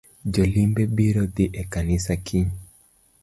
Jolimbe biro dhii e kanisa kiny